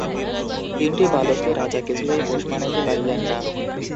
তিনটি বালককে রাজা কিছুতেই পোষ মানাইতে পারিলেন না।